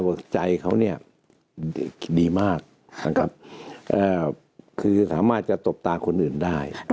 ใจเขาเนี่ยดีมากนะครับคือสามารถจะตบตาคนอื่นได้